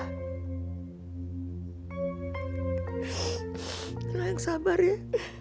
nih sabar ya